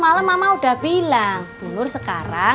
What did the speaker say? makanya papa hari ini bersihin kerobak